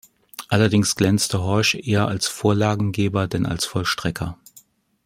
Allerdings glänzte Horsch eher als Vorlagengeber, denn als Vollstrecker.